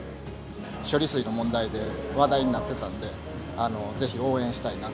処理水の問題で話題になってたんで、ぜひ応援したいなって。